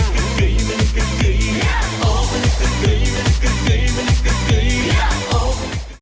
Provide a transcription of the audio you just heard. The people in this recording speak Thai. โปรดติดตามตอนต่อไป